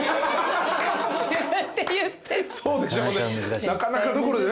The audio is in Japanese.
そうでしょうね。